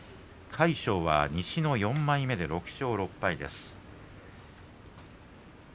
魁勝は西の４枚目で６勝６敗です。